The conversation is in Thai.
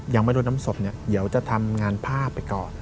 ยังไม่รู้น้ำศพเนี่ยเดี๋ยวจะทำงานผ้าไปก่อน